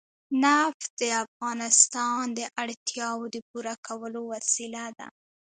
نفت د افغانانو د اړتیاوو د پوره کولو وسیله ده.